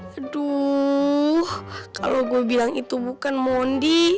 aduh kalau gue bilang itu bukan mondi